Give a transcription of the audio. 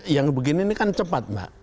yang begini ini kan cepat mbak